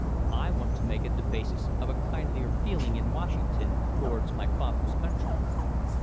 I want to make it the basis of a kindlier feeling in Washington towards my father's country."